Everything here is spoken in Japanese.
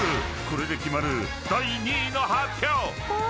［これで決まる第２位の発表］